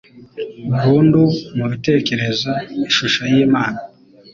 burundu mu bitekerezo ishusho y’Imana.